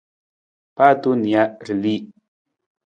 Paa tong nija, ra li.